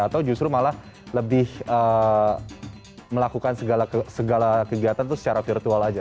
atau justru malah lebih melakukan segala kegiatan itu secara virtual aja